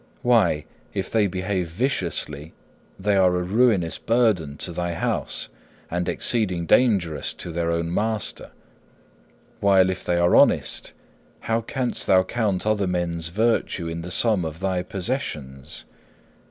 Why, if they behave viciously, they are a ruinous burden to thy house, and exceeding dangerous to their own master; while if they are honest, how canst thou count other men's virtue in the sum of thy possessions?